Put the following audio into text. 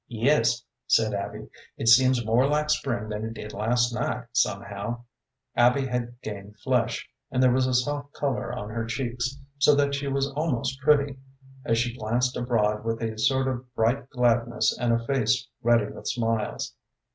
"Yes," said Abby; "it seems more like spring than it did last night, somehow!" Abby had gained flesh, and there was a soft color on her cheeks, so that she was almost pretty, as she glanced abroad with a sort of bright gladness and a face ready with smiles.